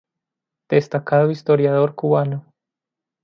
Destacado Historiador Cubano.